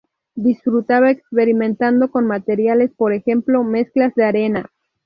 Disfrutaba experimentando con materiales, por ejemplo mezclas de arena.